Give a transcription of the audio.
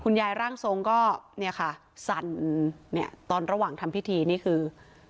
ยายร่างทรงก็เนี่ยค่ะสั่นเนี่ยตอนระหว่างทำพิธีนี่คือ